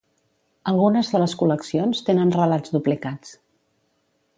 Algunes de les col·leccions tenen relats duplicats.